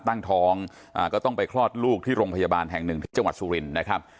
ตั้งท้องก็ต้องไปคลอดลูกที่โรงพยาบาลแห่งหนึ่งที่จังหวัดสุรินทร์นะครับ